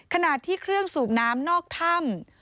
ขณะที่เครื่องสูบน้ำนอกถ้ำ